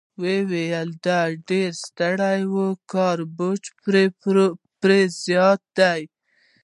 ویې ویل: دی ډېر ستړی وي، کاري بوج پرې زیات دی.